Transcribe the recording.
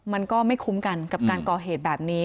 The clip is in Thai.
มันก็ไม่คุ้มกันกับการก่อเหตุแบบนี้